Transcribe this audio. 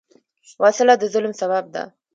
وسله د ظلم سبب ده